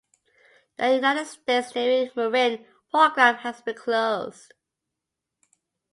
The United States Navy-Marine program has been closed.